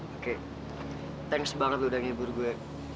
oke thanks banget lo udah nyebur gue